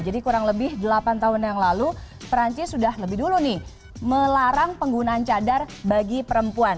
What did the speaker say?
jadi kurang lebih delapan tahun yang lalu perancis sudah lebih dulu nih melarang penggunaan cadar bagi perempuan